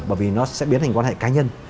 bởi vì nó sẽ biến thành quan hệ cá nhân